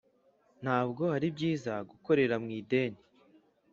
ntabwo ari byiza gukorera mu ideni